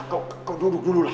kau duduk dulu lah